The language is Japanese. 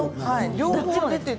両方、出ていて。